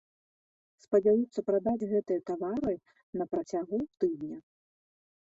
Спадзяюцца прадаць гэтыя тавары на працягу тыдня.